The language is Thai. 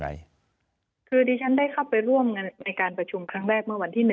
คือดิฉันได้เข้าไปร่วมในการประชุมครั้งแรกเมื่อวันที่๑